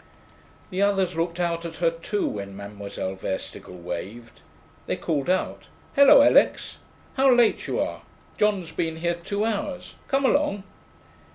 The others looked out at her too when Mademoiselle Verstigel waved. They called out 'Hullo, Alix! How late you are. John's been here two hours. Come along.'